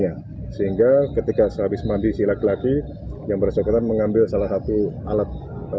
as mengaku emosi karena korban menjalani perawatan medis di rumah sakit dan mengeluarkan darah